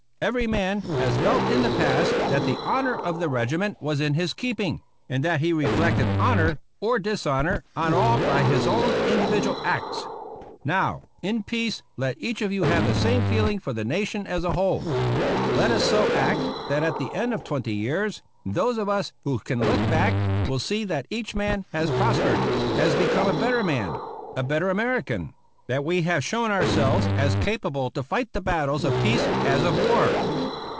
Every man has felt in the past that the honor of the regiment was in his keeping, and that 316 APPENDIX G he reflected honor or dishonor on all by his own individual acts. Now, in peace, let each of you have the same feeling for the Nation as a whole. Let us so act that at the end of twenty years those of us who can look back will see that each man has prospered, has become a better man, a better American; that we have shown ourselves as capable to fight the battles of peace as of war.